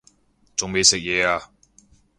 仲未食嘢呀